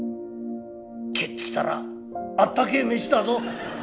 けえってきたらあったけぇメシだぞ。